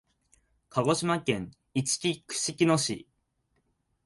鹿児島県いちき串木野市